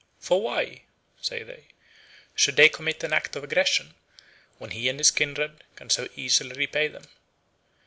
"For why, say they, should they commit an act of aggression, when he and his kindred can so easily repay them?